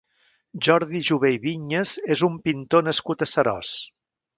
Jordi Jové i Viñes és un pintor nascut a Seròs.